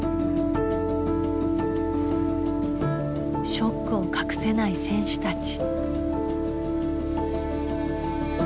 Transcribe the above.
ショックを隠せない選手たち。